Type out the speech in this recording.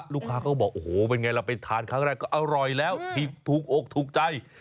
ลูกคามหากก็จะบอกอ๋อเป็นไงเราไปทานครั้งแรกก็อร่อยแล้วถุกอกถุกใจ